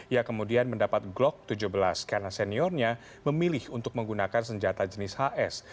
ia kemudian mendapat glock tujuh belas karena seniornya memilih untuk menggunakan senjata jenis hs